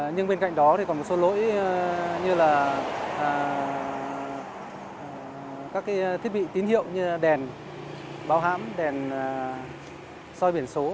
nhưng bên cạnh đó thì còn một số lỗi như là các thiết bị tín hiệu như là đèn báo hãm đèn soi biển số